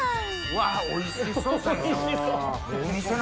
うわおいしそ！